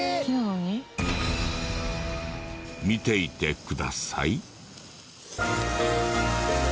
見ていてください。